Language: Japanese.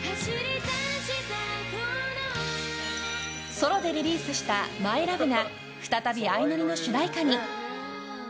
ソロでリリースした「ＭｙＬｏｖｅ」が再び「あいのり」の主題歌に。